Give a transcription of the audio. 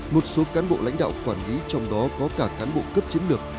một số cán bộ lãnh đạo quản lý trong đó có cả cán bộ cấp chiến lược